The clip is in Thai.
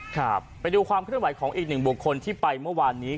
ครับไปดูความเคลื่อนไหวของอีกหนึ่งบุคคลที่ไปเมื่อวานนี้